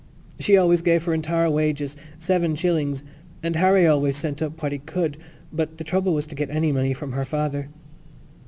She always gave her entire wages—seven shillings—and Harry always sent up what he could but the trouble was to get any money from her father.